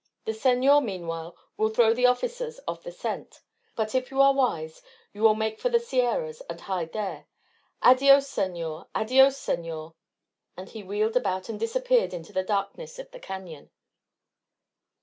The senor, meanwhile, will throw the officers off the scent. But if you are wise, you will make for the Sierras and hide there. Adios, senor, adios, senor;" and he wheeled about and disappeared into the darkness of the canon.